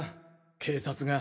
警察が。